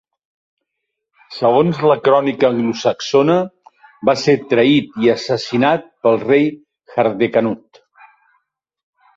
Segons la "Crònica anglosaxona", va ser traït i assassinat pel rei Hardecanut.